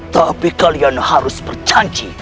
tapi kalian harus berjanji